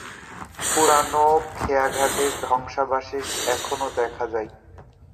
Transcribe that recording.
পুরানো খেয়াঘাটের ধ্বংসাবশেষ এখনও দেখা যায়।